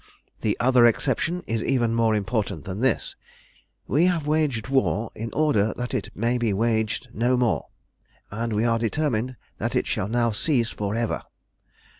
"The other exception is even more important than this. We have waged war in order that it may be waged no more, and we are determined that it shall now cease for ever.